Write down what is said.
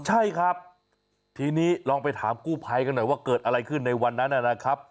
ใช่ครับทีนี้ลองไปถามกู้ภัยกันหน่อยว่าเกิดอะไรขึ้นในวันนั้นนะครับ